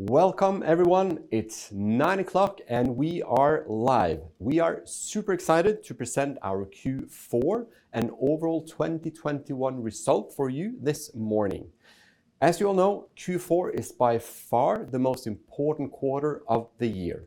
Welcome everyone. It's 9:00 A.M., and we are live. We are super excited to present our Q4 and overall 2021 result for you this morning. As you all know, Q4 is by far the most important quarter of the year.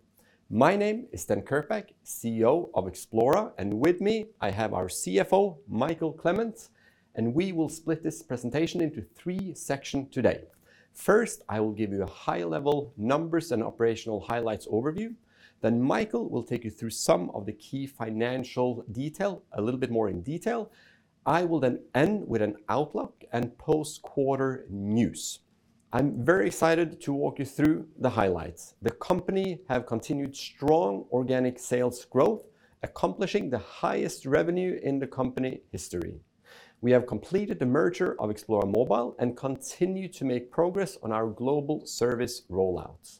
My name is Sten Kirkbak, CEO of Xplora, and with me, I have our CFO, Mikael Clement, and we will split this presentation into three section today. First, I will give you a high level numbers and operational highlights overview, then Mikael will take you through some of the key financial detail, a little bit more in detail. I will then end with an outlook and post-quarter news. I'm very excited to walk you through the highlights. The company have continued strong organic sales growth, accomplishing the highest revenue in the company history. We have completed the merger of Xplora Mobile and continue to make progress on our global service rollouts.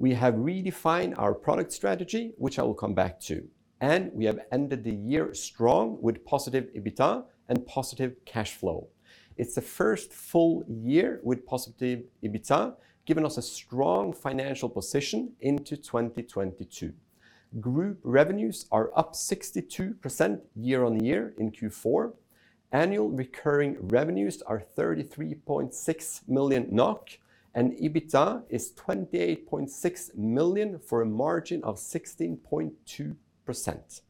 We have redefined our product strategy, which I will come back to, and we have ended the year strong with positive EBITDA and positive cash flow. It's the first full year with positive EBITDA, giving us a strong financial position into 2022. Group revenues are up 62% year-on-year in Q4. Annual recurring revenues are NOK 33.6 million, and EBITDA is NOK 28.6 million for a margin of 16.2%.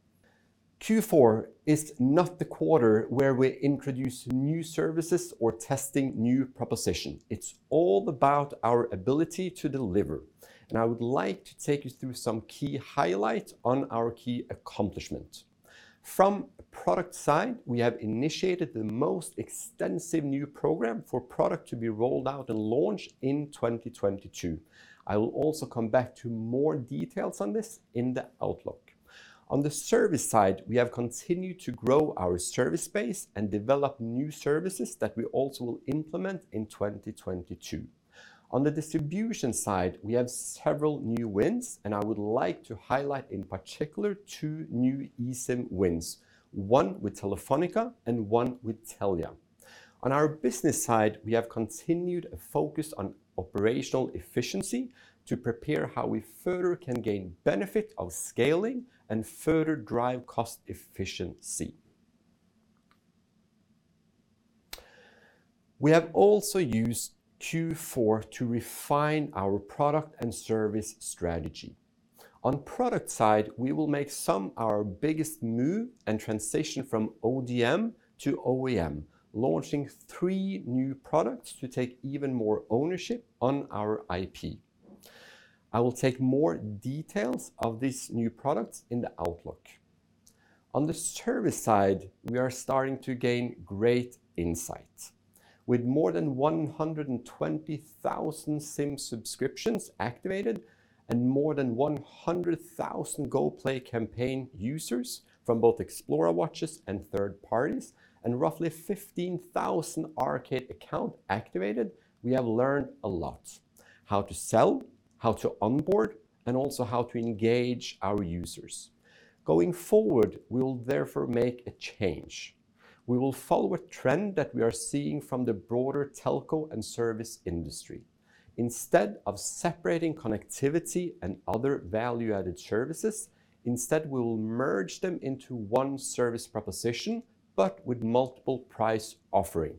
Q4 is not the quarter where we introduce new services or testing new proposition. It's all about our ability to deliver, and I would like to take you through some key highlight on our key accomplishment. From product side, we have initiated the most extensive new program for product to be rolled out and launched in 2022. I will also come back to more details on this in the outlook. On the service side, we have continued to grow our service base and develop new services that we also will implement in 2022. On the distribution side, we have several new wins, and I would like to highlight in particular 2 new eSIM wins, one with Telefónica and one with Telia. On our business side, we have continued a focus on operational efficiency to prepare how we further can gain benefit of scaling and further drive cost efficiency. We have also used Q4 to refine our product and service strategy. On the product side, we will make one of our biggest move and transition from ODM to OEM, launching three new products to take even more ownership on our IP. I will talk more about these new products in the outlook. On the service side, we are starting to gain great insight. With more than 120,000 SIM subscriptions activated and more than 100,000 Goplay campaign users from both Xplora watches and third parties and roughly 15,000 Arcade accounts activated, we have learned a lot. How to sell, how to onboard, and also how to engage our users. Going forward, we will therefore make a change. We will follow a trend that we are seeing from the broader telco and service industry. Instead of separating connectivity and other value-added services, instead we will merge them into one service proposition but with multiple price offering.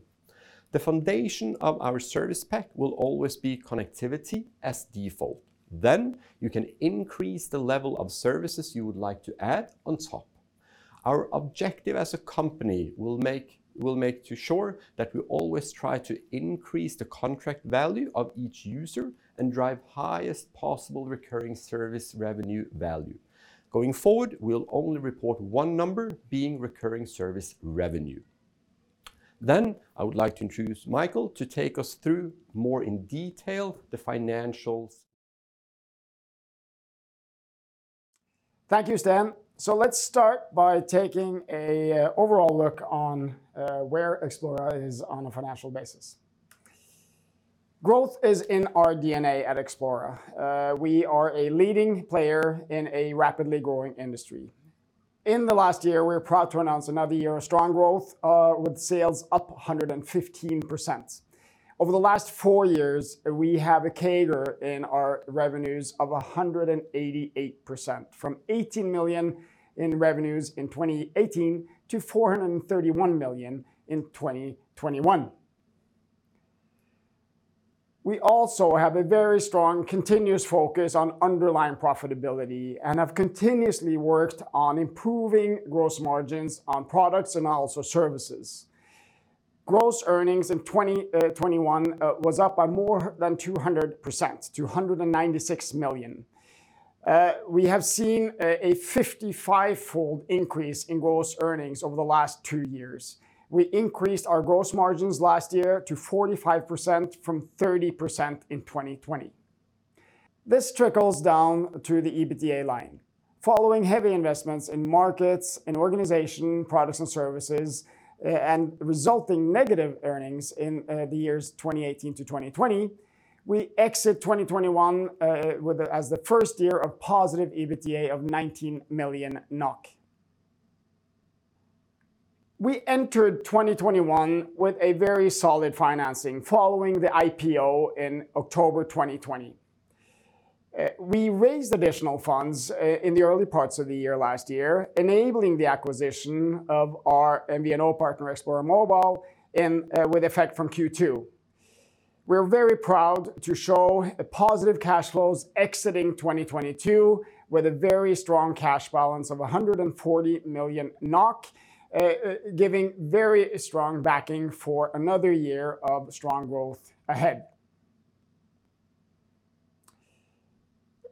The foundation of our service pack will always be connectivity as default. You can increase the level of services you would like to add on top. Our objective as a company will make to ensure that we always try to increase the contract value of each user and drive highest possible recurring service revenue value. Going forward, we'll only report one number, being recurring service revenue. I would like to introduce Mikael to take us through more in detail the financials. Thank you, Sten. Let's start by taking an overall look at where Xplora is on a financial basis. Growth is in our DNA at Xplora. We are a leading player in a rapidly growing industry. In the last year, we're proud to announce another year of strong growth with sales up 115%. Over the last four years, we have a CAGR in our revenues of 188%, from 18 million in revenues in 2018 to 431 million in 2021. We also have a very strong continuous focus on underlying profitability and have continuously worked on improving gross margins on products and also services. Gross earnings in 2021 was up by more than 200%, 296 million. We have seen a fifty-fivefold increase in gross earnings over the last two years. We increased our gross margins last year to 45% from 30% in 2020. This trickles down to the EBITDA line. Following heavy investments in markets and organization, products and services, and resulting negative earnings in the years 2018 to 2020, we exit 2021 as the first year of positive EBITDA of 19 million NOK. We entered 2021 with a very solid financing following the IPO in October 2020. We raised additional funds in the early parts of the year last year, enabling the acquisition of our MVNO partner Xplora Mobile in Q2 with effect from Q2. We're very proud to show positive cash flows exiting 2022 with a very strong cash balance of 140 million NOK, giving very strong backing for another year of strong growth ahead.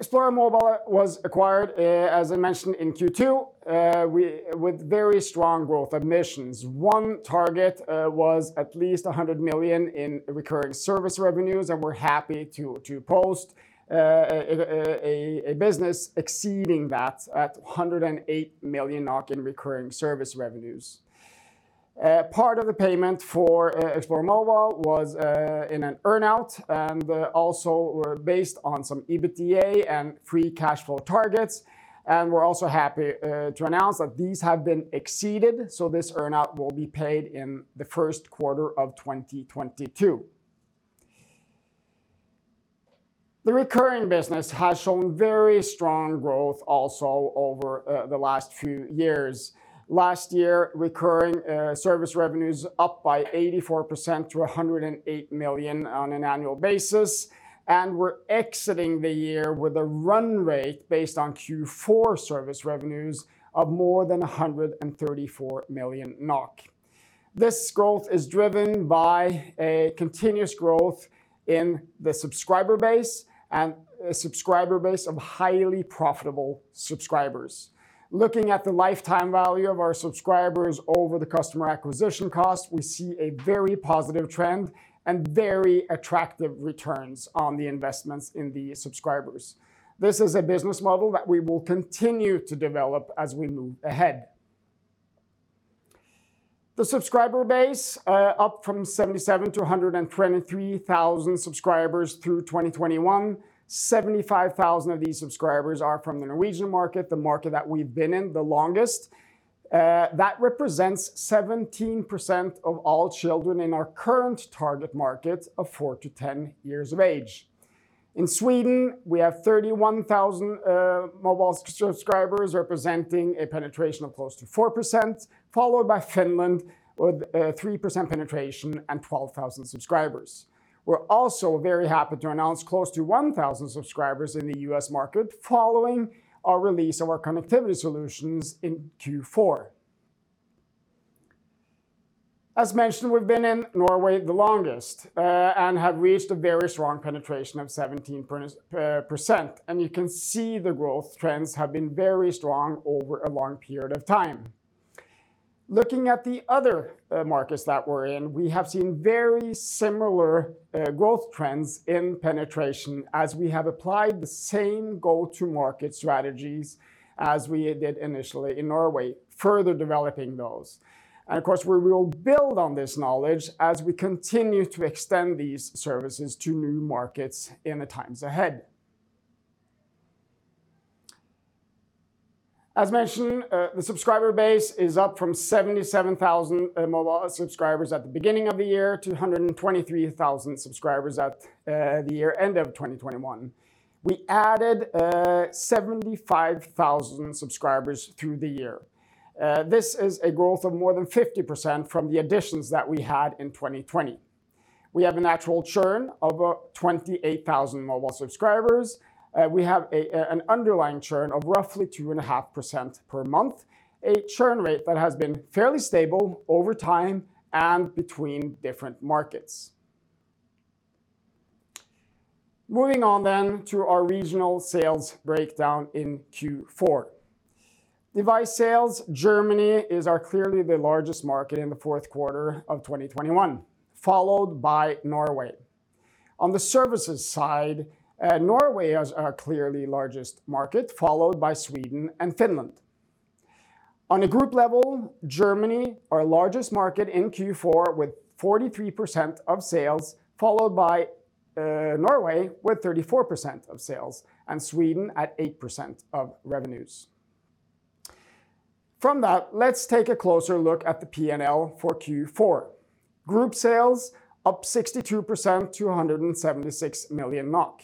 Xplora Mobile was acquired, as I mentioned in Q2, with very strong growth ambitions. One target was at least 100 million in recurring service revenues, and we're happy to post a business exceeding that at 108 million NOK in recurring service revenues. Part of the payment for Xplora Mobile was in an earn-out, and also were based on some EBITDA and free cash flow targets. We're also happy to announce that these have been exceeded, so this earn-out will be paid in the first quarter of 2022. The recurring business has shown very strong growth also over the last few years. Last year, recurring service revenues up by 84% to 108 million on an annual basis, and we're exiting the year with a run rate based on Q4 service revenues of more than 134 million NOK. This growth is driven by a continuous growth in the subscriber base and a subscriber base of highly profitable subscribers. Looking at the lifetime value of our subscribers over the customer acquisition cost, we see a very positive trend and very attractive returns on the investments in the subscribers. This is a business model that we will continue to develop as we move ahead. The subscriber base up from 77,000-23,000 subscribers through 2021. 75,000 of these subscribers are from the Norwegian market, the market that we've been in the longest. That represents 17% of all children in our current target market of 4 to 10 years of age. In Sweden, we have 31,000 mobile subscribers, representing a penetration of close to 4%, followed by Finland with 3% penetration and 12,000 subscribers. We're also very happy to announce close to 1,000 subscribers in the U.S. market following our release of our connectivity solutions in Q4. As mentioned, we've been in Norway the longest, and have reached a very strong penetration of 17%, and you can see the growth trends have been very strong over a long period of time. Looking at the other markets that we're in, we have seen very similar growth trends in penetration as we have applied the same go-to-market strategies as we did initially in Norway, further developing those. Of course, we will build on this knowledge as we continue to extend these services to new markets in the times ahead. As mentioned, the subscriber base is up from 77,000 mobile subscribers at the beginning of the year to 123,000 subscribers at the year end of 2021. We added 75,000 subscribers through the year. This is a growth of more than 50% from the additions that we had in 2020. We have a natural churn of 28,000 mobile subscribers. We have an underlying churn of roughly 2.5% per month, a churn rate that has been fairly stable over time and between different markets. Moving on to our regional sales breakdown in Q4. Device sales, Germany is our clearly the largest market in the fourth quarter of 2021, followed by Norway. On the services side, Norway is our clearly largest market, followed by Sweden and Finland. On a group level, Germany, our largest market in Q4 with 43% of sales, followed by Norway with 34% of sales, and Sweden at 8% of revenues. From that, let's take a closer look at the P&L for Q4. Group sales up 62% to 176 million NOK.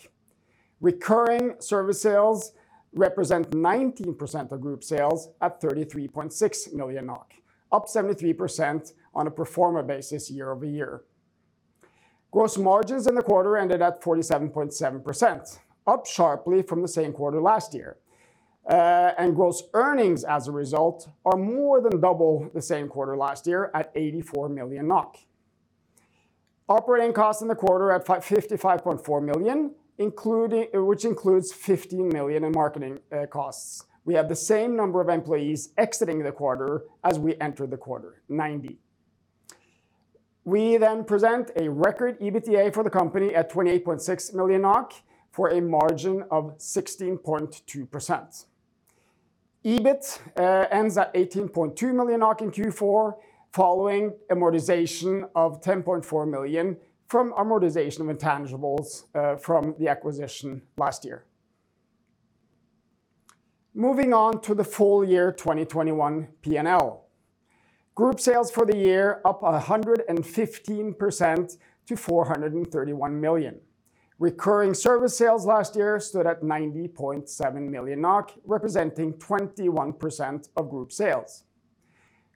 Recurring service sales represent 19% of group sales at 33.6 million NOK, up 73% on a pro forma basis year-over-year. Gross margins in the quarter ended at 47.7%, up sharply from the same quarter last year. Gross earnings as a result are more than double the same quarter last year at 84 million NOK. Operating costs in the quarter at 55.4 million, which includes 15 million in marketing costs. We have the same number of employees exiting the quarter as we enter the quarter, 90. We present a record EBITDA for the company at 28.6 million for a margin of 16.2%. EBIT ends at 18.2 million in Q4 following amortization of 10.4 million from intangibles from the acquisition last year. Moving on to the full year 2021 P&L. Group sales for the year up 115% to 431 million. Recurring service sales last year stood at 90.7 million NOK, representing 21% of group sales.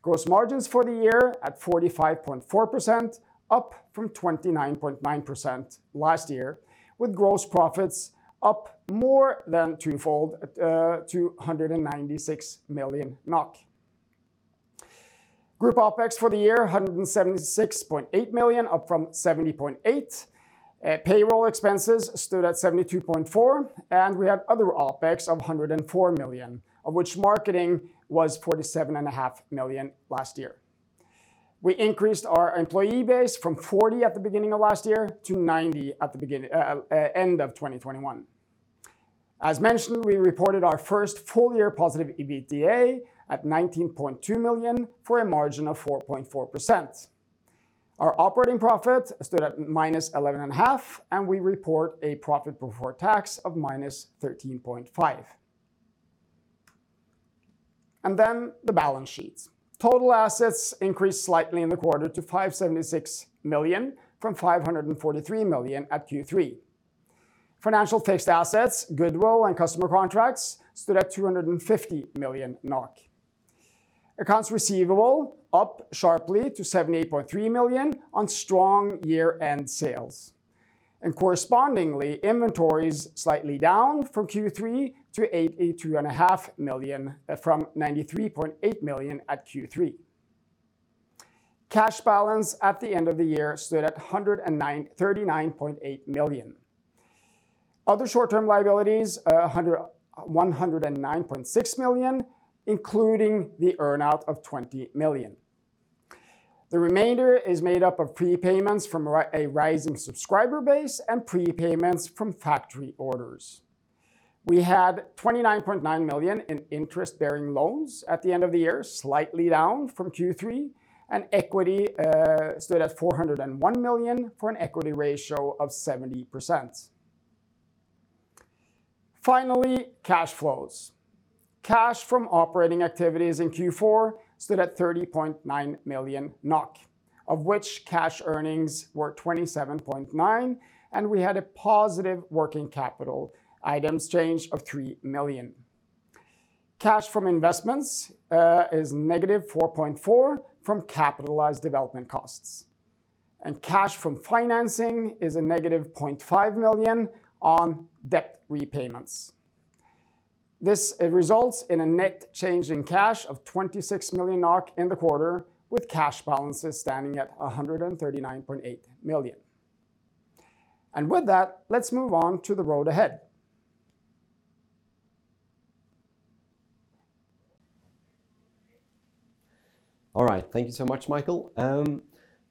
Gross margins for the year at 45.4%, up from 29.9% last year, with gross profits up more than twofold at 296 million NOK. Group OPEX for the year 176.8 million, up from 70.8 million. Payroll expenses stood at 72.4 million, and we had other OPEX of 104 million, of which marketing was 47.5 million last year. We increased our employee base from 40 at the beginning of last year to 90 at the end of 2021. As mentioned, we reported our first full year positive EBITDA at 19.2 million for a margin of 4.4%. Our operating profit stood at -11.5 million, and we report a profit before tax of -13.5 million. The balance sheet. Total assets increased slightly in the quarter to 576 million from 543 million at Q3. Financial fixed assets, goodwill, and customer contracts stood at 250 million NOK. Accounts receivable up sharply to 78.3 million on strong year-end sales. Correspondingly, inventories slightly down from Q3 to 83.5 million, from 93.8 million at Q3. Cash balance at the end of the year stood at 39.8 million. Other short-term liabilities, 109.6 million, including the earn-out of 20 million. The remainder is made up of prepayments from a rising subscriber base and prepayments from factory orders. We had 29.9 million in interest-bearing loans at the end of the year, slightly down from Q3, and equity stood at 401 million for an equity ratio of 70%. Finally, cash flows. Cash from operating activities in Q4 stood at 30.9 million NOK, of which cash earnings were 27.9 million, and we had a positive working capital items change of 3 million. Cash from investments is negative 4.4 million from capitalized development costs. Cash from financing is a negative 0.5 million on debt repayments. This results in a net change in cash of 26 million NOK in the quarter, with cash balances standing at 139.8 million. With that, let's move on to the road ahead. All right. Thank you so much, Mikael.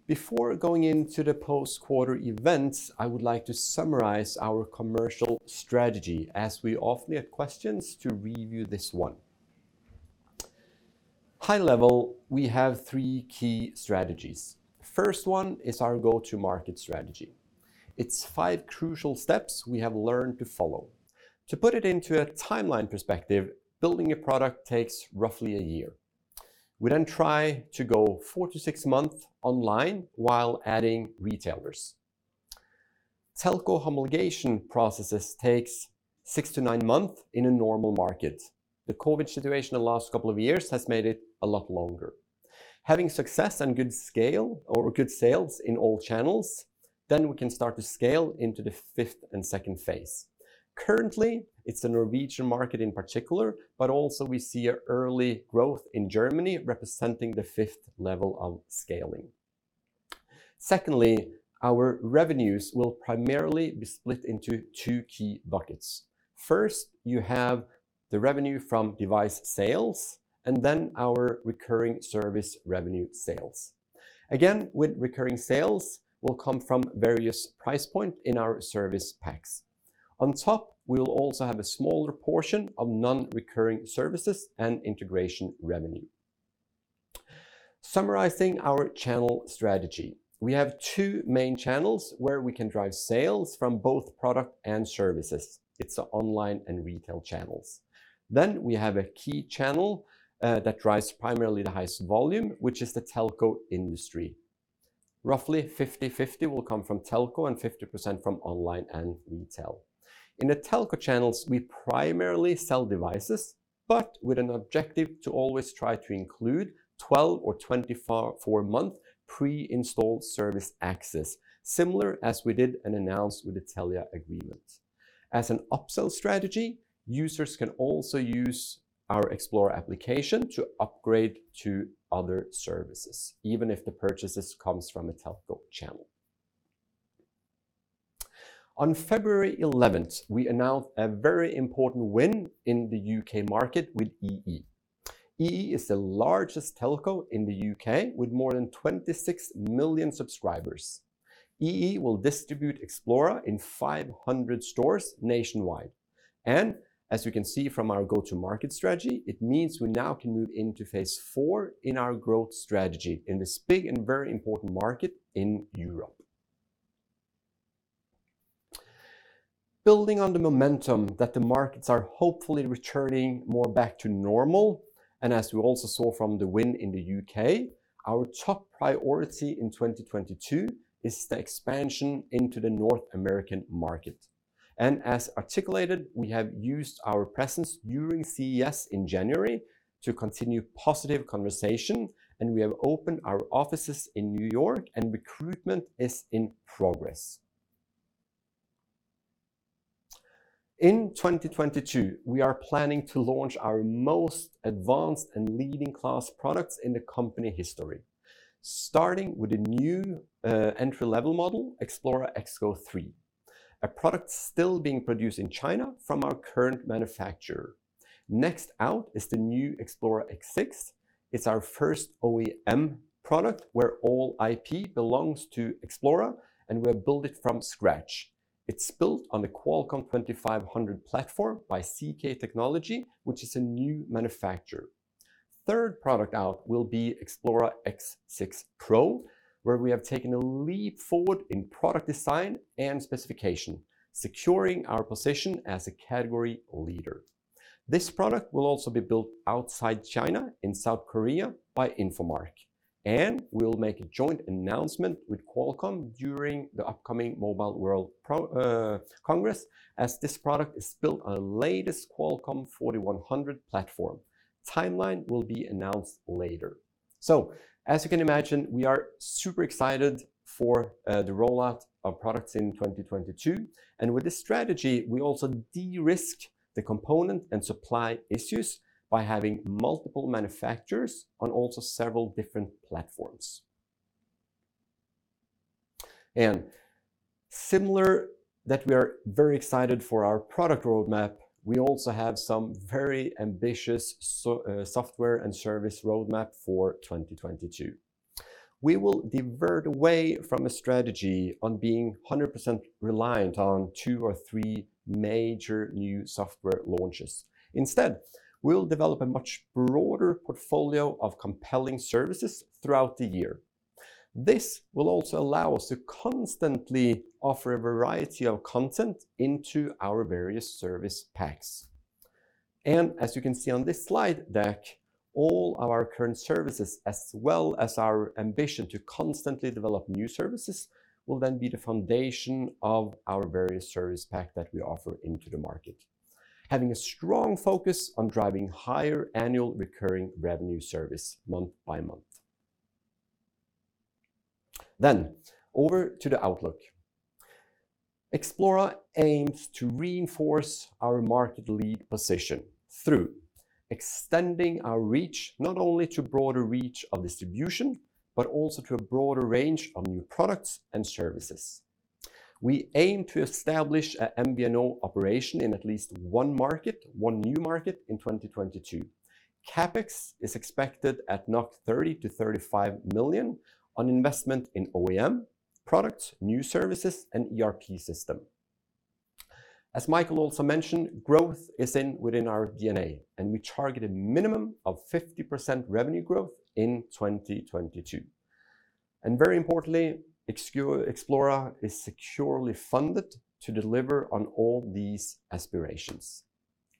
Before going into the post-quarter events, I would like to summarize our commercial strategy, as we often get questions to review this one. High level, we have 3 key strategies. First one is our go-to-market strategy. It's 5 crucial steps we have learned to follow. To put it into a timeline perspective, building a product takes roughly 1 year. We then try to go 4-6 months online while adding retailers. Telco homologation processes takes 6-9 months in a normal market. The COVID situation the last couple of years has made it a lot longer. Having success and good scale or good sales in all channels, then we can start to scale into the fifth and second phase. Currently, it's the Norwegian market in particular, but also we see an early growth in Germany representing the fifth level of scaling. Secondly, our revenues will primarily be split into two key buckets. First, you have the revenue from device sales and then our recurring service revenue sales. Again, with recurring sales will come from various price point in our service packs. On top, we will also have a smaller portion of non-recurring services and integration revenue. Summarizing our channel strategy, we have two main channels where we can drive sales from both product and services. It's the online and retail channels. Then we have a key channel that drives primarily the highest volume, which is the telco industry. Roughly 50/50 will come from telco and 50% from online and retail. In the telco channels, we primarily sell devices, but with an objective to always try to include 12 or 24 month pre-installed service access, similar as we did and announced with the Telia agreement. As an upsell strategy, users can also use our Xplora application to upgrade to other services, even if the purchases comes from a telco channel. On February eleventh, we announced a very important win in the U.K. market with EE. EE is the largest telco in the U.K. with more than 26 million subscribers. EE will distribute Xplora in 500 stores nationwide. As you can see from our go-to-market strategy, it means we now can move into phase four in our growth strategy in this big and very important market in Europe. Building on the momentum that the markets are hopefully returning more back to normal, and as we also saw from the win in the U.K., our top priority in 2022 is the expansion into the North American market. As articulated, we have used our presence during CES in January to continue positive conversation, and we have opened our offices in New York, and recruitment is in progress. In 2022, we are planning to launch our most advanced and leading class products in the company history, starting with a new, entry-level model, Xplora XGO3, a product still being produced in China from our current manufacturer. Next out is the new Xplora X6. It's our first OEM product where all IP belongs to Xplora, and we have built it from scratch. It's built on the Snapdragon Wear 2500 platform by CK Technology, which is a new manufacturer. Third product out will be Xplora X6 Pro, where we have taken a leap forward in product design and specification, securing our position as a category leader. This product will also be built outside China in South Korea by Infomark. We'll make a joint announcement with Qualcomm during the upcoming Mobile World Congress, as this product is built on latest Snapdragon Wear 4100 platform. Timeline will be announced later. As you can imagine, we are super excited for the rollout of products in 2022. With this strategy, we also de-risk the component and supply issues by having multiple manufacturers on also several different platforms. Similarly, we are very excited for our product roadmap. We also have some very ambitious software and service roadmap for 2022. We will divert away from a strategy on being 100% reliant on two or three major new software launches. Instead, we'll develop a much broader portfolio of compelling services throughout the year. This will also allow us to constantly offer a variety of content into our various service packs. As you can see on this slide deck, all our current services, as well as our ambition to constantly develop new services, will then be the foundation of our various service pack that we offer into the market. Having a strong focus on driving higher annual recurring revenue service month by month. Over to the outlook. Xplora aims to reinforce our market lead position through extending our reach, not only to broader reach of distribution, but also to a broader range of new products and services. We aim to establish a MVNO operation in at least one market, one new market in 2022. CapEx is expected at 30 million-35 million on investment in OEM products, new services, and ERP system. As Mikael also mentioned, growth is within our DNA, and we target a minimum of 50% revenue growth in 2022. Very importantly, Xplora is securely funded to deliver on all these aspirations.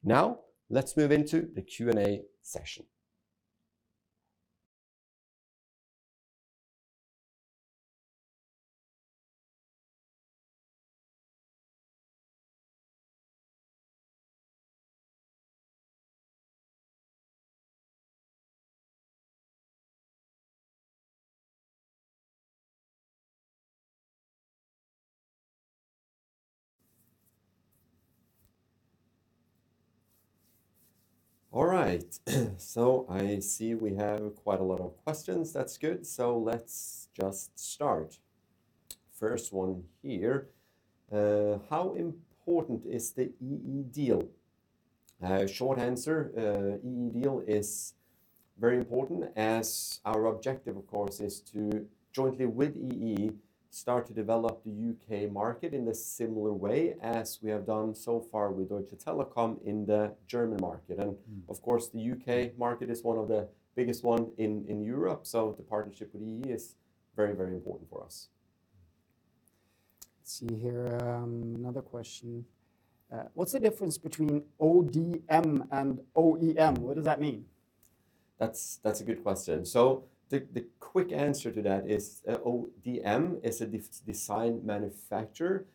Now, let's move into the Q&A session. All right. I see we have quite a lot of questions. That's good. Let's just start. First one here, how important is the EE deal? Short answer, EE deal is very important as our objective, of course, is to jointly with EE start to develop the U.K. market in a similar way as we have done so far with Deutsche Telekom in the German market. Of course, the U.K. market is one of the biggest one in Europe. The partnership with EE is very, very important for us. Let's see here. Another question. What's the difference between ODM and OEM? What does that mean? That's a good question. The quick answer to that is, ODM is a design manufacturer.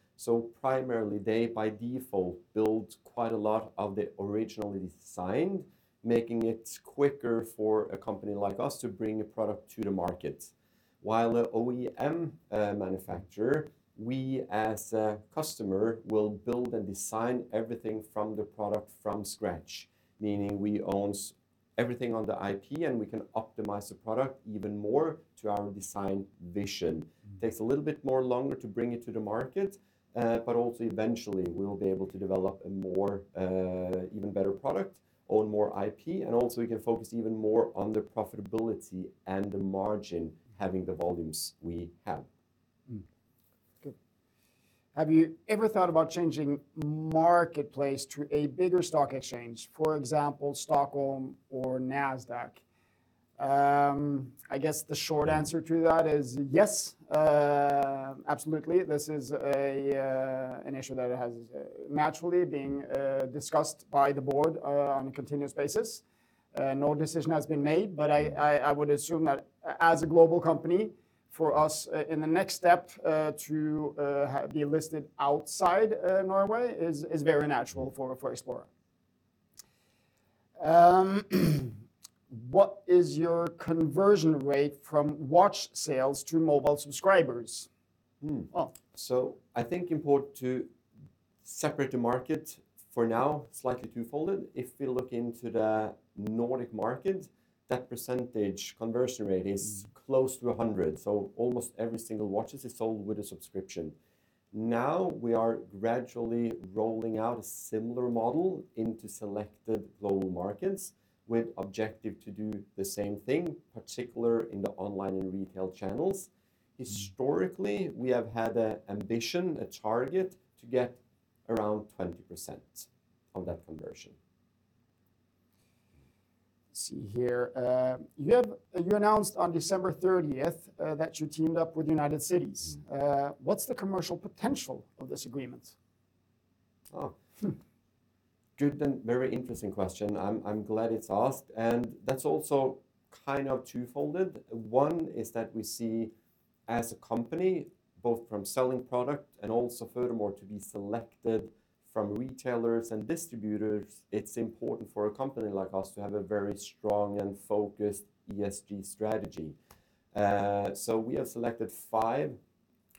Primarily they by default build quite a lot of the original design, making it quicker for a company like us to bring a product to the market. While an OEM manufacturer, we as a customer will build and design everything from the product from scratch, meaning we own everything of the IP, and we can optimize the product even more to our design vision. It takes a little bit longer to bring it to the market, but also eventually we'll be able to develop an even better product, own more IP, and also we can focus even more on the profitability and the margin having the volumes we have. Mm-hmm. Good. Have you ever thought about changing marketplace to a bigger stock exchange, for example, Stockholm or Nasdaq? I guess the short answer to that is yes. Absolutely. This is an issue that has naturally been discussed by the board on a continuous basis. No decision has been made, but I would assume that as a global company, for us, in the next step, to be listed outside Norway is very natural for Xplora. What is your conversion rate from watch sales to mobile subscribers? Hmm. Oh. I think it's important to separate the market for now, slightly two-folded. If we look into the Nordic market, that percentage conversion rate- Mm is close to 100, so almost every single watch is sold with a subscription. Now we are gradually rolling out a similar model into selected global markets with objective to do the same thing, particularly in the online and retail channels. Mm. Historically, we have had an ambition, a target to get around 20% of that conversion. Let's see here. You announced on December 30th that you teamed up with United Cities. Mm. What's the commercial potential of this agreement? Oh. Good and very interesting question. I'm glad it's asked, and that's also kind of two-folded. One is that we see as a company, both from selling product and also furthermore to be selected from retailers and distributors, it's important for a company like us to have a very strong and focused ESG strategy. We have selected five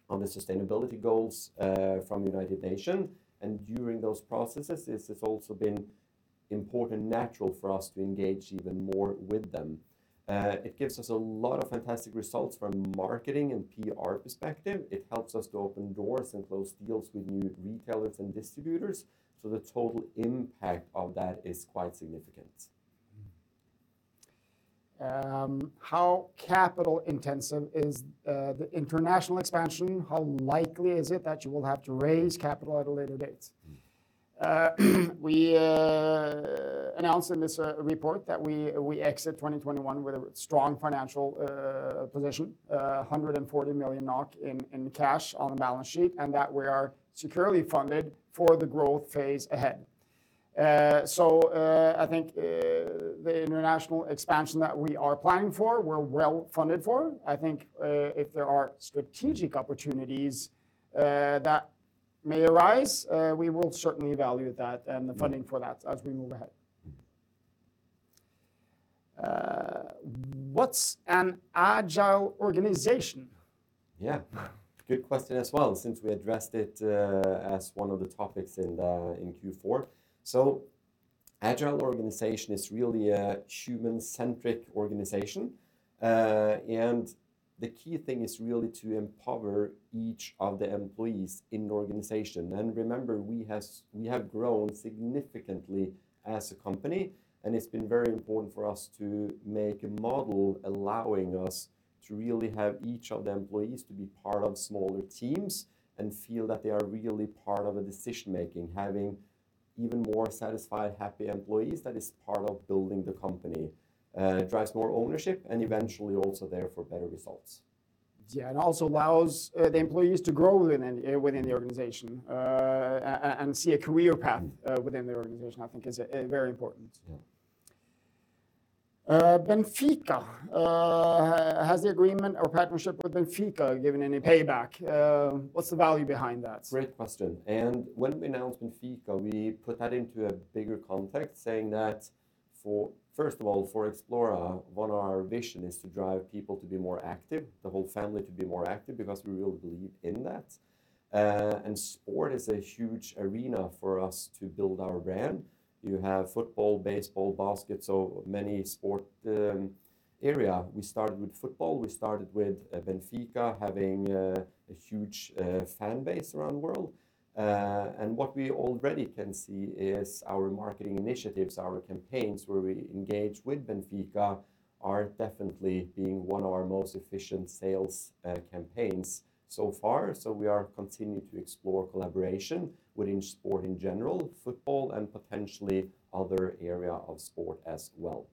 of the sustainability goals from United Nations, and during those processes this has also been important, natural for us to engage even more with them. It gives us a lot of fantastic results from marketing and PR perspective. It helps us to open doors and close deals with new retailers and distributors, so the total impact of that is quite significant. How capital intensive is the international expansion? How likely is it that you will have to raise capital at a later date? Mm. We announced in this report that we exit 2021 with a strong financial position, 140 million NOK in cash on the balance sheet, and that we are securely funded for the growth phase ahead. I think the international expansion that we are planning for, we're well-funded for. I think if there are strategic opportunities that may arise, we will certainly value that. Mm The funding for that as we move ahead. Mm. What's an agile organization? Yeah. Good question as well since we addressed it as one of the topics in Q4. Agile organization is really a human-centric organization. The key thing is really to empower each of the employees in the organization. Remember, we have grown significantly as a company, and it's been very important for us to make a model allowing us to really have each of the employees to be part of smaller teams and feel that they are really part of the decision-making. Having even more satisfied, happy employees, that is part of building the company. It drives more ownership, and eventually also therefore better results. Yeah, also allows the employees to grow within the organization and see a career path. Mm Within the organization I think is very important. Yeah. Benfica. Has the agreement or partnership with Benfica given any payback? What's the value behind that? Great question. When we announced Benfica, we put that into a bigger context saying that for, first of all, for Xplora, one of our vision is to drive people to be more active, the whole family to be more active, because we really believe in that. Sport is a huge arena for us to build our brand. You have football, baseball, basket, so many sport area. We started with football. We started with Benfica having a huge fan base around the world. What we already can see is our marketing initiatives, our campaigns where we engage with Benfica are definitely being one of our most efficient sales campaigns so far. We are continuing to explore collaboration within sport in general, football, and potentially other area of sport as well.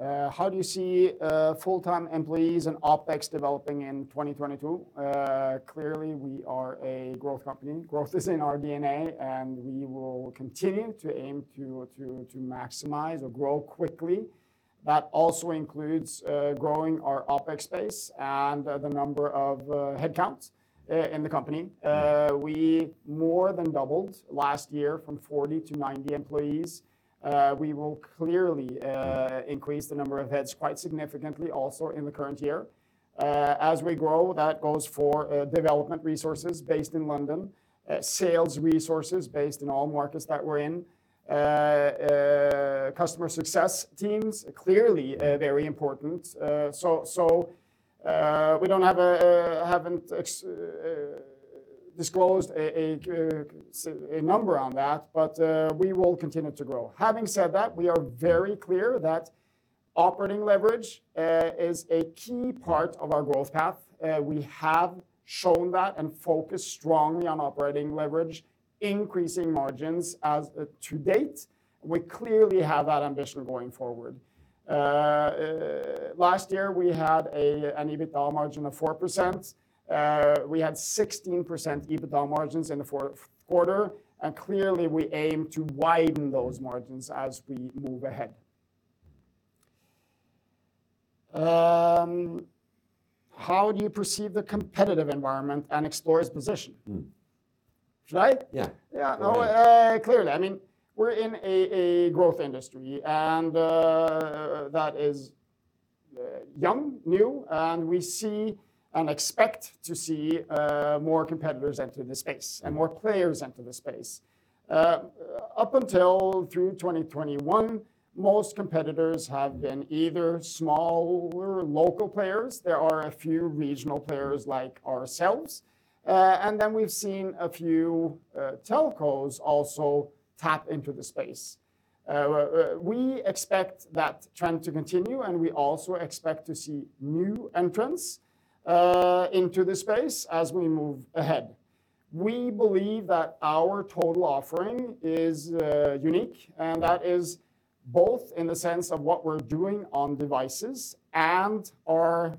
How do you see full-time employees and OPEX developing in 2022? Clearly we are a growth company. Growth is in our DNA, and we will continue to aim to maximize or grow quickly. That also includes growing our OPEX base and the number of headcounts in the company. Mm. We more than doubled last year from 40-0 employees. We will clearly increase the number of heads quite significantly also in the current year. As we grow, that goes for development resources based in London, sales resources based in all markets that we're in. Customer success teams, clearly, very important. We haven't disclosed a number on that, but we will continue to grow. Having said that, we are very clear that operating leverage is a key part of our growth path. We have shown that and focused strongly on operating leverage, increasing margins to date. We clearly have that ambition going forward. Last year we had an EBITDA margin of 4%. We had 16% EBITDA margins in the fourth quarter, and clearly we aim to widen those margins as we move ahead. How do you perceive the competitive environment and Xplora's position? Mm. Should I? Yeah. Yeah. No, clearly, I mean, we're in a growth industry and that is young, new, and we see and expect to see more competitors enter the space and more players enter the space. Up until through 2021, most competitors have been either smaller local players. There are a few regional players like ourselves. We've seen a few telcos also tap into the space. We expect that trend to continue, and we also expect to see new entrants into the space as we move ahead. We believe that our total offering is unique, and that is both in the sense of what we're doing on devices and our,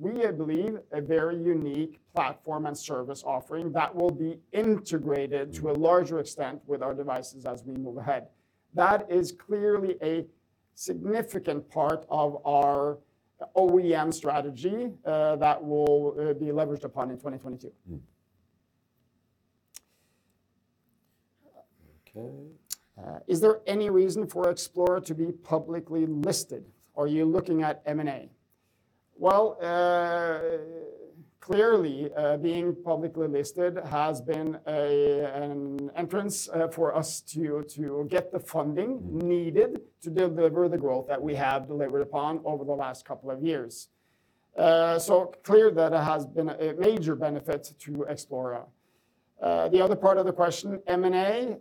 we believe, a very unique platform and service offering that will be integrated to a larger extent with our devices as we move ahead. That is clearly a significant part of our OEM strategy that will be leveraged upon in 2022. Okay. Is there any reason for Xplora to be publicly listed? Are you looking at M&A? Clearly, being publicly listed has been an entrance for us to get the funding needed to deliver the growth that we have delivered upon over the last couple of years. Clear that it has been a major benefit to Xplora. The other part of the question, M&A,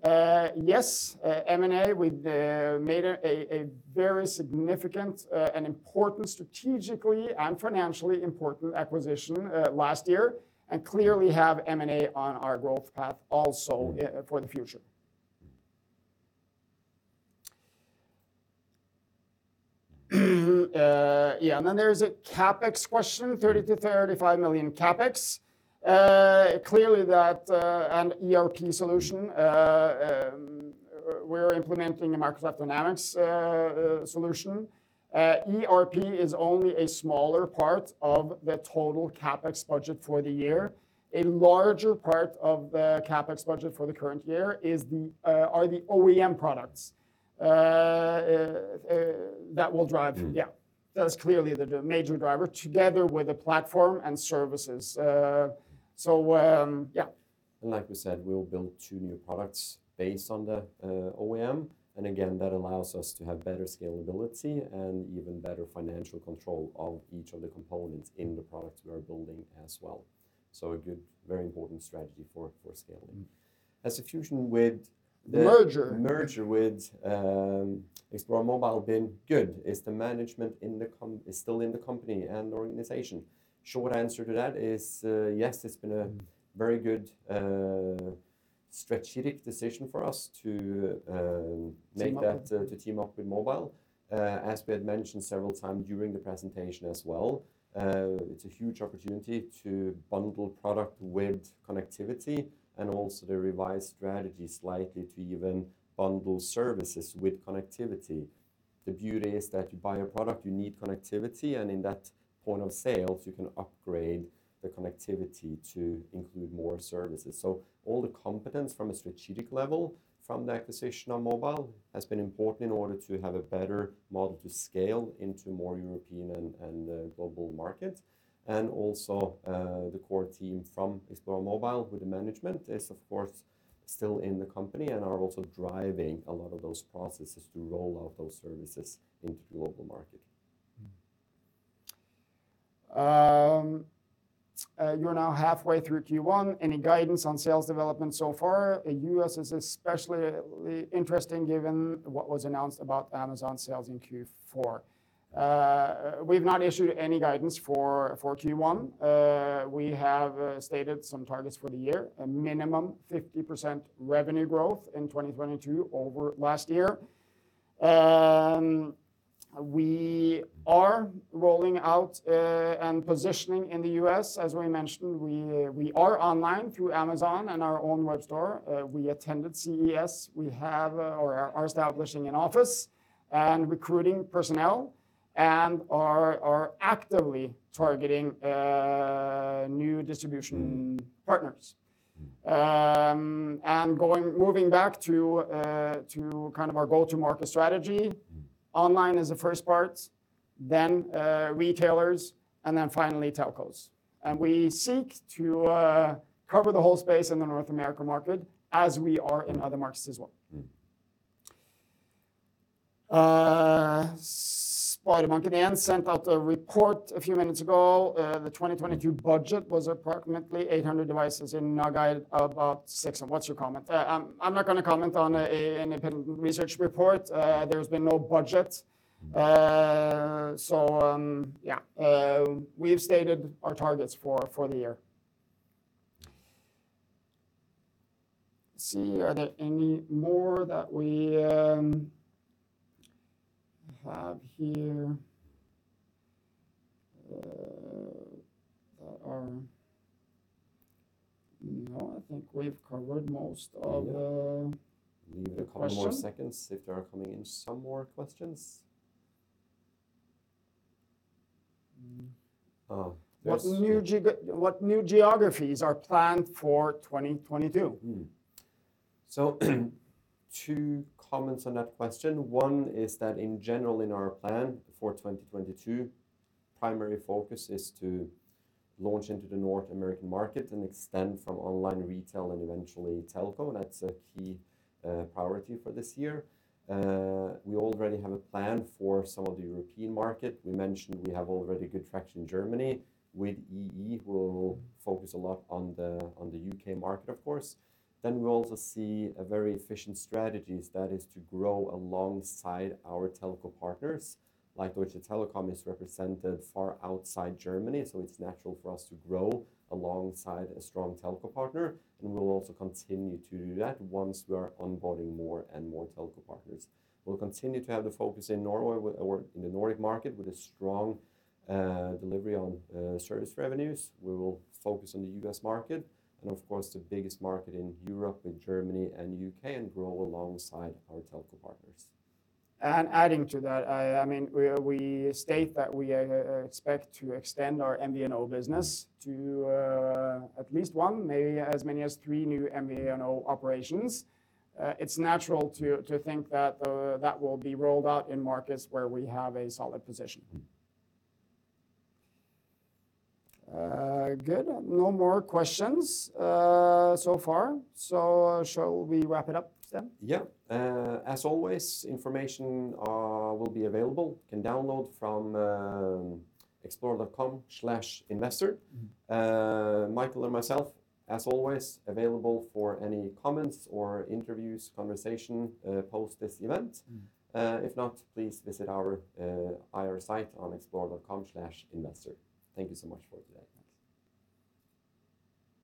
yes. We made a very significant and important strategically and financially important acquisition last year, and clearly have M&A on our growth path also for the future. There is a CapEx question, 30 million-35 million CapEx. Clearly, the ERP solution we're implementing, a Microsoft Dynamics solution, is only a smaller part of the total CapEx budget for the year. A larger part of the CapEx budget for the current year is the OEM products that will drive. That is clearly the major driver together with the platform and services. Yeah. Like we said, we'll build two new products based on the OEM, and again, that allows us to have better scalability and even better financial control of each of the components in the product we are building as well. A good, very important strategy for scaling has the fusion with the? Merger Has the merger with Xplora Mobile been good? Is the management still in the company and organization? Short answer to that is yes, it's been a very good strategic decision for us to make that. Team up To team up with Xplora Mobile. As we had mentioned several times during the presentation as well, it's a huge opportunity to bundle product with connectivity and also the revised strategy slightly to even bundle services with connectivity. The beauty is that you buy a product, you need connectivity, and in that point of sale, you can upgrade the connectivity to include more services. All the competence from a strategic level from the acquisition of Xplora Mobile has been important in order to have a better model to scale into more European and global market. The core team from Xplora Mobile, who the management is of course still in the company and are also driving a lot of those processes to roll out those services into the global market. You're now halfway through Q1. Any guidance on sales development so far? U.S. is especially interesting given what was announced about Amazon sales in Q4. We've not issued any guidance for Q1. We have stated some targets for the year, a minimum 50% revenue growth in 2022 over last year. We are rolling out and positioning in the U.S. As we mentioned, we are online through Amazon and our own web store. We attended CES. We have or are establishing an office and recruiting personnel and are actively targeting new distribution partners. Moving back to kind of our go-to-market strategy. Online is the first part, then, retailers, and then finally telcos. We seek to cover the whole space in the North America market as we are in other markets as well. SpiderMonkey sent out a report a few minutes ago. The 2022 budget was approximately 800 devices in Norway, about 600. What's your comment? I'm not gonna comment on an independent research report. There's been no budget. We have stated our targets for the year. Let's see. Are there any more that we have here? No, I think we've covered most of the questions. Leave a couple more seconds if there are some more questions coming in. What new geographies are planned for 2022? Two comments on that question. One is that in general in our plan for 2022, primary focus is to launch into the North American market and extend from online retail and eventually telco. That's a key priority for this year. We already have a plan for some of the European market. We mentioned we have already good traction in Germany. With EE, we'll focus a lot on the U.K. market of course. We also see a very efficient strategy, that is to grow alongside our telco partners, like Deutsche Telekom is represented far outside Germany, so it's natural for us to grow alongside a strong telco partner, and we'll also continue to do that once we are onboarding more and more telco partners. We'll continue to have the focus in Norway with our... in the Nordic market, with a strong delivery on service revenues. We will focus on the U.S. market, and of course, the biggest market in Europe, in Germany and U.K., and grow alongside our telco partners. Adding to that, I mean, we state that we expect to extend our MVNO business to at least 1, maybe as many as 3 new MVNO operations. It's natural to think that will be rolled out in markets where we have a solid position. Good. No more questions so far. Shall we wrap it up then? Yeah. As always, information will be available. You can download from myxplora.com/investor Mikael and myself, as always, available for any comments or interviews, conversation, post this event. If not, please visit our IR site on myxplora.com/investor. Thank you so much for today. Thanks.